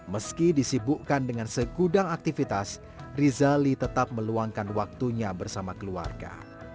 meski disibukkan dengan segudang aktivitas rizali tetap meluangkan waktunya bersama keluarga